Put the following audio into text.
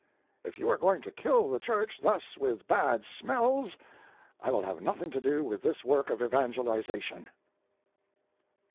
If you are going to kill the church thus with bad smells I will have nothing to do with this work of evangelization.